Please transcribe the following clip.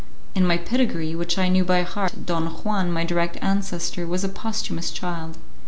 In my pedigree, which I knew by heart, Don Juan, my direct ancestor, was a posthumous child.